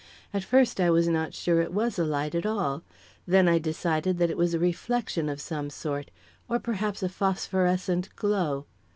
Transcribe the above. At first, I was not sure it was a light at all; then I decided that it was a reflection of some sort, or perhaps a phosphorescent glow.